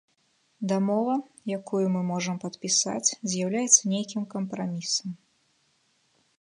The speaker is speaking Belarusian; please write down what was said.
Дамова, якую мы можам падпісаць, з'яўляецца нейкім кампрамісам.